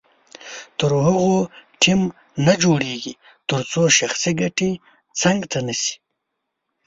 تر هغو ټیم نه جوړیږي تر څو شخصي ګټې څنګ ته نه شي.